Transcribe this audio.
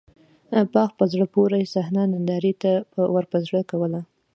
باغ په زړه پورې صحنه نندارې ته ورپه زړه کوله.